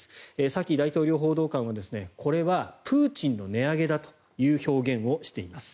サキ大統領報道官はこれはプーチンの値上げだという表現をしています。